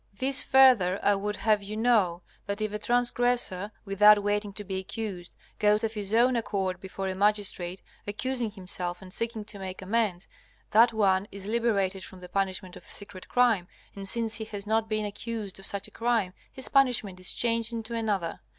This further I would have you know, that if a transgressor, without waiting to be accused, goes of his own accord before a magistrate, accusing himself and seeking to make amends, that one is liberated from the punishment of a secret crime, and since he has not been accused of such a crime, his punishment is changed into another.